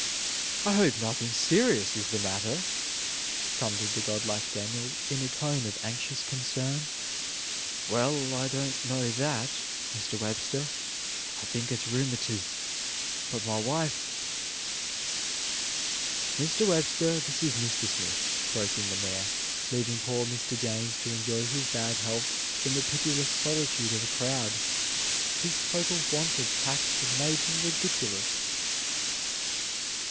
"I hope nothing serious is the matter," thundered the godlike Daniel, in a tone of anxious concern. "Well, I don't know that, Mr. Webster. I think it's rheumatiz, but my wife " "Mr. Webster, this is Mr. Smith," broke in the mayor, leaving poor Mr. James to enjoy his bad health in the pitiless solitude of a crowd. His total want of tact had made him ridiculous.